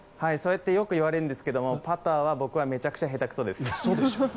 そうやってよく言われるんですがパターは僕はめちゃくちゃ下手くそです。